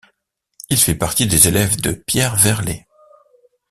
Il fait partie des élèves de Pierre Verlet.